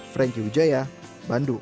franky ujaya bandung